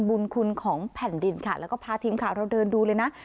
บุญคุณของแผ่นดินค่ะแล้วก็พาทีมข่าวเราเดินดูเลยนะ